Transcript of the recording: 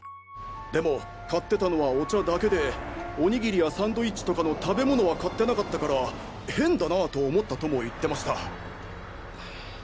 でも買ってたのはお茶だけでおにぎりやサンドイッチとかの食べ物は買ってなかったから変だなぁと思ったとも言ってました。